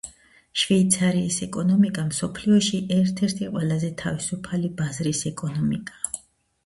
შვეიცარიის ეკონომიკა მსოფლიოში ერთ-ერთი ყველაზე თავისუფალი ბაზრის ეკონომიკაა.